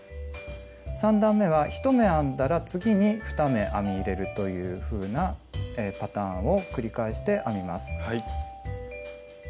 ３段めは１目編んだら次に２目編み入れるというふうなパターンを繰り返して編みます。